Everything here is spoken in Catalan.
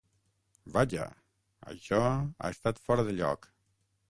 Vaja, això ha estat fora de lloc.